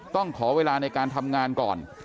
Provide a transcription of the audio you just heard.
ต้องขอเวลาในการทำงานก่อน